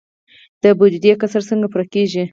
د بودیجې کسر څنګه پوره کیږي؟